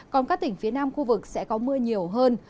còn các tỉnh phía nam khu vực sẽ có mưa nhiều hơn